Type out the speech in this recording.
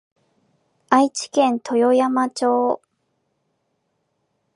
愛知県豊山町